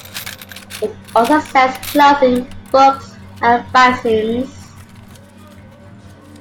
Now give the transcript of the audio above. It also sells clothing, books, and fanzines.